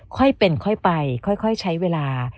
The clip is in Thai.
ค่อยเป็นค่อยไปค่อยใช้เวลา